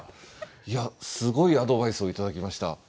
いやすごいアドバイスを頂きました。